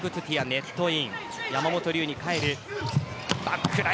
ネットイン。